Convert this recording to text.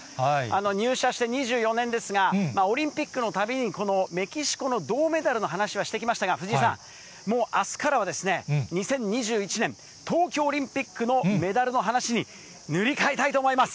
入社して２４年ですが、オリンピックのたびにこのメキシコの銅メダルの話はしてきましたが、藤井さん、もうあすからはですね、２０２１年、東京オリンピックのメダルの話に塗り替えたいと思います。